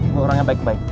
gue orang yang baik baik